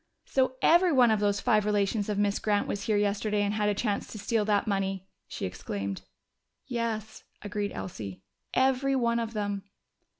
"So every one of those five relations of Miss Grant was here yesterday and had a chance to steal that money!" she exclaimed. "Yes," agreed Elsie. "Every one of them!"